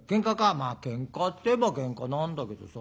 「まあケンカっていえばケンカなんだけどさ。